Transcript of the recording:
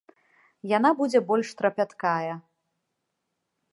Яна будзе больш трапяткая.